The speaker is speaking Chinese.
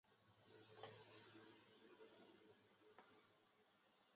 其仅能追诉在此之后所发生的犯罪行为。